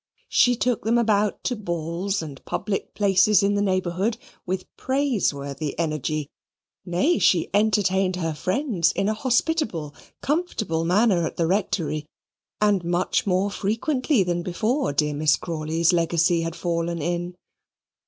She took them about to balls and public places in the neighbourhood, with praiseworthy energy; nay, she entertained her friends in a hospitable comfortable manner at the Rectory, and much more frequently than before dear Miss Crawley's legacy had fallen in.